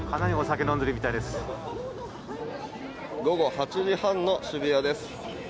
午後８時半の渋谷です。